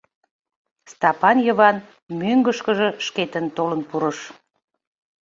Стапан Йыван мӧҥгышкыжӧ шкетын толын пурыш.